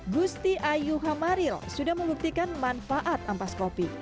gusti ayu hamaril sudah membuktikan manfaat ampas kopi